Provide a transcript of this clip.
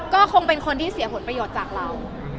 ก็คงเป็นคนที่เสียผลประโยชน์จากเรา